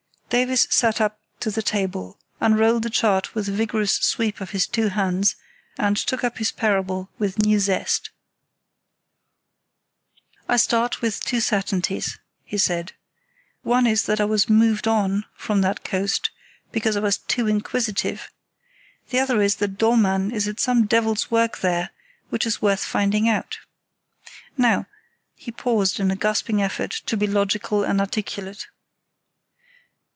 Davies sat up to the table, unrolled the chart with a vigorous sweep of his two hands, and took up his parable with new zest. "I start with two certainties," he said. "One is that I was 'moved on' from that coast, because I was too inquisitive. The other is that Dollmann is at some devil's work there which is worth finding out. Now"—he paused in a gasping effort to be logical and articulate.